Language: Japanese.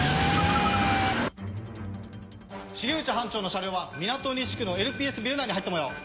重藤班長の車両はみなと西区のＬＰＳビル内に入ったもよう。